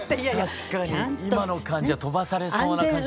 確かに今の感じは飛ばされそうな感じで。